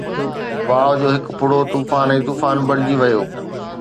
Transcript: واءُ جو هڪ ڦڙو طوفان ۽ طوفان بڻجي ويو